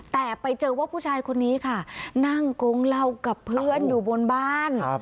แต่ไปเจอว่าผู้ชายคนนี้ค่ะนั่งโกงเหล้ากับเพื่อนอยู่บนบ้าน